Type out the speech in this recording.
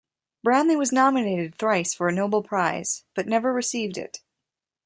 Branly was nominated thrice for a Nobel Prize, but never received it.